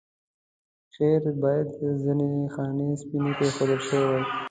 خیر باید ځینې خانې سپینې پرېښودل شوې وای.